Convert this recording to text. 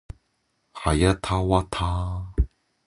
はやたわた